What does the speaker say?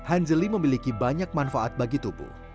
anjeli memiliki banyak manfaat bagi tubuh